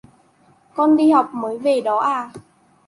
con đi học mới về đó à